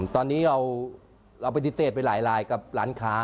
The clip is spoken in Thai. ตอนนี้เราปฏิเสธไปหลายกับร้านค้า